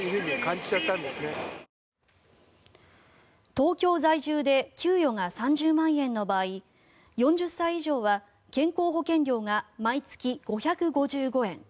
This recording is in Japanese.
東京在住で給与が３０万円の場合４０歳以上は健康保険料が毎月５５５円。